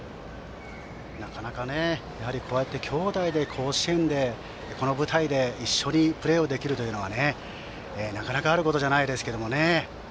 なかなか兄弟で甲子園の舞台で一緒にプレーできるのはなかなかあることじゃないですけどね。